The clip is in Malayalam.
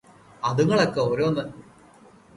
അതുങ്ങളൊക്കെ ഓരോന്ന്